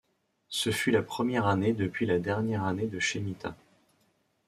Ce fut la première année depuis la dernière année de chemitta.